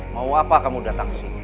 mau apa kamu datang ke sini